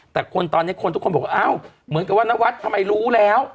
แต่คนตอนนี้คนทุกคนบอกว่าอ้าวเหมือนกับว่านวัดทำไมรู้แล้ว